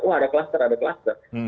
oh ada kluster ada kluster